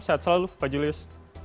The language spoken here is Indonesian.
sehat selalu pak julius